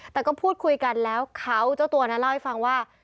แต่ก็พูดคุยกันแล้วเขาเจ้าตัวนั้นเล่าให้ฟังว่า